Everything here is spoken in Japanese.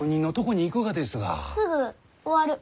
すぐ終わる。